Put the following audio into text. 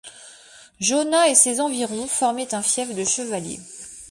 Jonas et ses environs formaient un fief de chevalier.